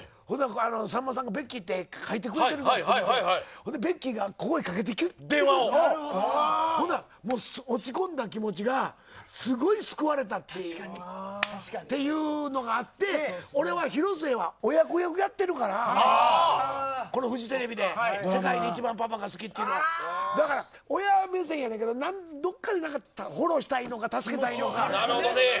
さんまさんがベッキーって書いてくれてるからそんでベッキーがここへかけてきて落ち込んだ気持ちがすごい救われたっていうのがあって俺は広末は親子役やってるからこのフジテレビで世界で一番パパが好きって親目線やねんけど、どっかでフォローしたいのか助けたいのか。